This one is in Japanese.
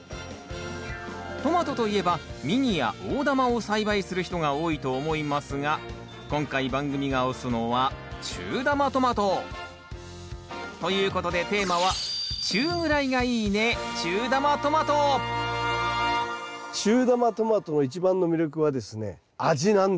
トマトといえばミニや大玉を栽培する人が多いと思いますが今回番組が推すのは中玉トマト。ということでテーマは中玉トマトの一番の魅力はですね味なんですよ味。